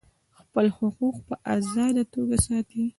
خپل حقوق په آزاده توګه ساتي.